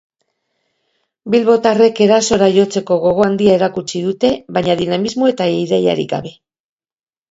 Bilbotarrek erasora jotzeko gogo handiagoa erakutsi dute, baina dinamismo eta ideiarik gabe.